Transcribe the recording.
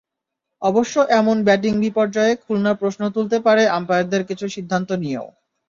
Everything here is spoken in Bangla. অবশ্য এমন ব্যাটিং বিপর্যয়ে খুলনা প্রশ্ন তুলতে পারে আম্পায়ারদের কিছু সিদ্ধান্ত নিয়েও।